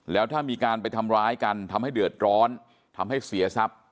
แล้วถ้ามีการไปทำร้ายกันทำให้เดือดร้อนทำให้เสียทรัพย์